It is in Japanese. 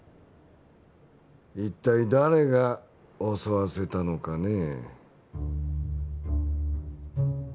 一体誰が襲わせたのかねえ。